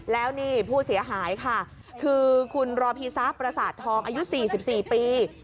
แล้วนี่ผู้เสียหายค่ะคือคุณรอพีซับประสาททองอายุ๔๔ปี